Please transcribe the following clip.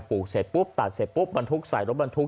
ลูกเสร็จปุ๊บตัดเสร็จปุ๊บบรรทุกใส่รถบรรทุก